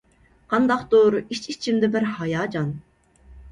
قانداقتۇر ئىچ-ئىچىمدە بىر ھاياجان.